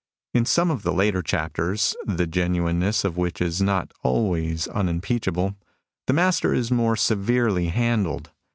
In some of the later chapters (the genuineness of which is not always unimpeachable) the Master is more severely handled.